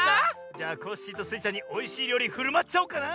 じゃあコッシーとスイちゃんにおいしいりょうりふるまっちゃおうかな！